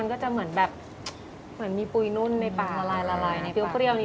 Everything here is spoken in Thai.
อย่าลืมสตาร์เบอรี่